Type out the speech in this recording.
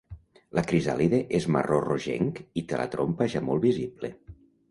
La crisàlide és marró rogenc i té la trompa ja molt visible.